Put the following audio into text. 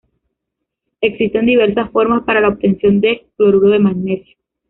Existen diversas formas para la obtención del cloruro de magnesio.